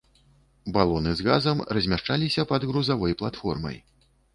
Балоны з газам размяшчаліся пад грузавой платформай.